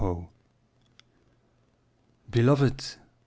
Beloved!